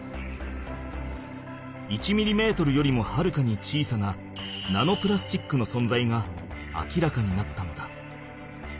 １ミリメートルよりもはるかに小さなナノプラスチックのそんざいが明らかになったのだ。